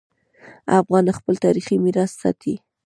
افغانان خپل تاریخي میراث ساتي.